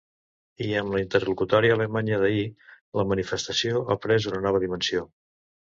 I amb la interlocutòria alemanya d’ahir la manifestació ha pres una nova dimensió.